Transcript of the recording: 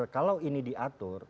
kalau ini diatur